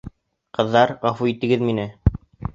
Ҡыҙҙар, ғәфү итегеҙ мине.